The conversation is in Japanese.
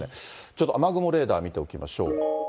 ちょっと雨雲レーダー見ておきましょう。